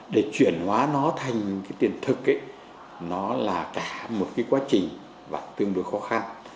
để chuyển hóa nó thành cái tiền thực nó là cả một cái quá trình và tương đối khó khăn